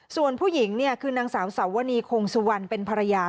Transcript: ส่วนผู้หญิงเนี่ยคือนางสาวสาวนีคงสุวรรณเป็นภรรยา